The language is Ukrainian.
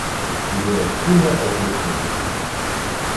І до Нептуна окликнувся: